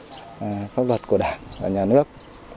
cái thứ ba là pháp luật của đảng và nhà nước